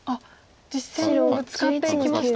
実戦もブツカっていきました。